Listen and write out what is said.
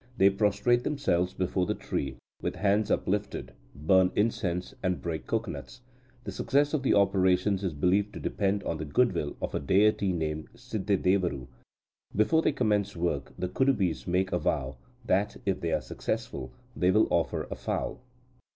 They prostrate themselves before the tree, with hands uplifted, burn incense, and break cocoanuts. The success of the operations is believed to depend on the good will of a deity named Siddedevaru. Before they commence work, the Kudubis make a vow that, if they are successful, they will offer a fowl.